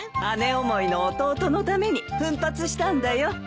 姉思いの弟のために奮発したんだよ。